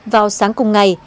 vào sáng cùng ngày